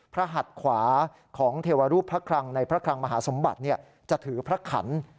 หัดขวาของเทวรูปพระคลังในพระคลังมหาสมบัติจะถือพระขัน